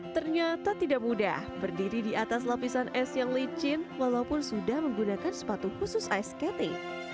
ternyata tidak mudah berdiri di atas lapisan es yang licin walaupun sudah menggunakan sepatu khusus ice skating